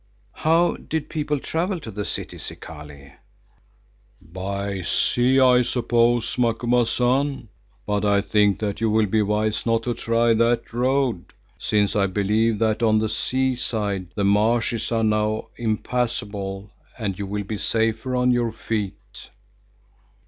"How did people travel to the city, Zikali?" "By sea, I suppose, Macumazahn, but I think that you will be wise not to try that road, since I believe that on the sea side the marshes are now impassable and you will be safer on your feet."